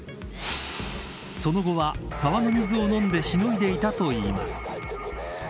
その後は、沢の水を飲んでしのいでいたといいます。